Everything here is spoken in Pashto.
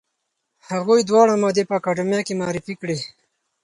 هغوی دواړه مادې په اکاډمۍ کې معرفي کړې.